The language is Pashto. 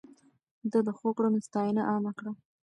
ده د ښو کړنو ستاينه عامه کړه.